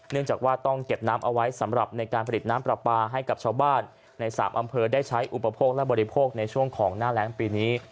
จากว่าต้องเก็บน้ำเอาไว้สำหรับในการผลิตน้ำปลาปลาให้กับชาวบ้านใน๓อำเภอได้ใช้อุปโภคและบริโภคในช่วงของหน้าแรงปีนี้